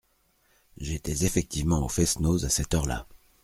J’étais effectivement au fest-noz à cette heure-là.